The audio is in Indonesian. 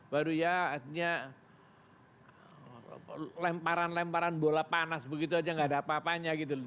baru ya artinya lemparan lemparan bola panas begitu aja gak ada apa apanya gitu loh